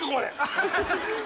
ハハハハ！